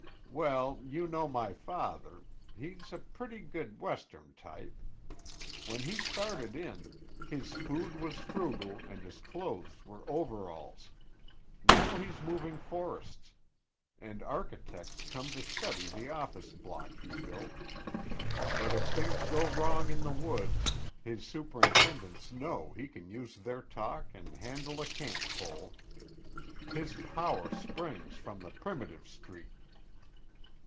Well, you know my father; he's a pretty good Western type. When he started in, his food was frugal and his clothes were overalls. Now he's moving forests, and architects come to study the office block he built; but if things go wrong in the woods, his superintendents know he can use their talk and handle a cant pole. His power springs from the primitive streak."